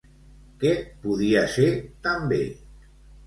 Què podia ser també?